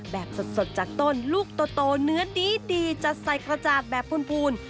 แบบสดจากต้นลูกโตเนื้อดีจัดใส่กระจาดแบบพูน